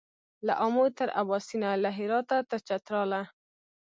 له آمو تر اباسینه له هراته تر چتراله